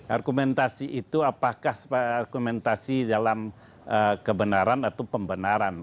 argumentasi itu apakah argumentasi dalam kebenaran atau pembenaran